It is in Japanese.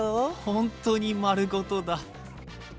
ほんとに丸ごとだ。